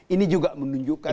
ini juga menunjukkan